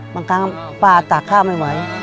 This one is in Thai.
บางครั้งป้าตากข้าวไม่ไหว